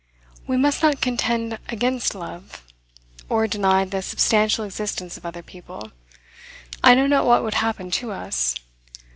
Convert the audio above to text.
We must not contend against love, or deny the substantial existence of other people. I know not what would happen to us.